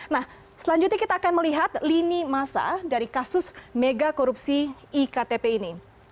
nah selanjutnya kita akan melihat lini masa dari kasus mega korupsi iktp ini